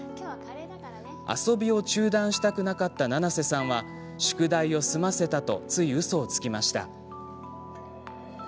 遊びを中断したくなかったななせさんは宿題を済ませたとつい、うそをつきました。